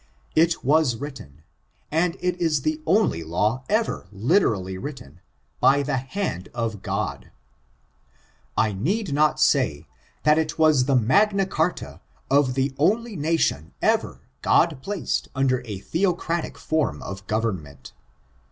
It was written, and it is the only law ever literally written, by the hand of Grod. I need not say, that it was the magna charta of the only nation ever God placed under a theocratic form of government.